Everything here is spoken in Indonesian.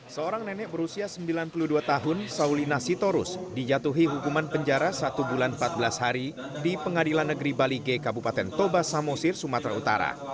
seorang nenek berusia sembilan puluh dua tahun saulina sitorus dijatuhi hukuman penjara satu bulan empat belas hari di pengadilan negeri balige kabupaten toba samosir sumatera utara